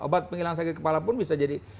obat penghilang sakit kepala pun bisa jadi